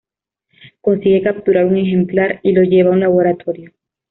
Consigue capturar un ejemplar y lo lleva a un laboratorio.